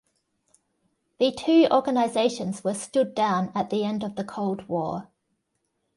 The two organisations were stood down at the end of the Cold War.